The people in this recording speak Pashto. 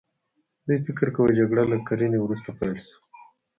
دوی فکر کوي جګړه له کرنې وروسته پیل شوه.